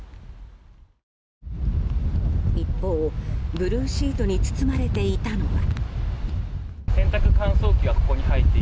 一方、ブルーシートに包まれていたのは。